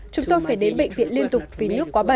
chúng tôi phải đến bệnh viện liên tục vì nước quá bẩ